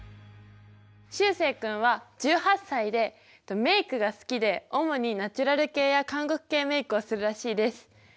しゅうせい君は１８歳でメイクが好きで主にナチュラル系や韓国系メイクをするらしいです。